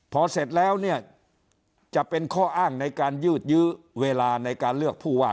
พอเสร็จแล้วเนี่ยจะเป็นข้ออ้างในการยืดยื้อเวลาในการเลือกผู้ว่า